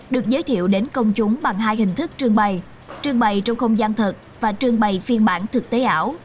được giới thiệu đến công chúng bằng hai hình thức trương bày trưng bày trong không gian thật và trưng bày phiên bản thực tế ảo